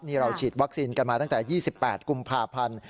นี่เราฉีดวัคซีนกันมาตั้งแต่๒๘กุมภาพันธ์